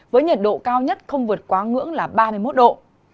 với nhiệt độ cao nhất không vượt quá ngưỡng là ba mươi một độ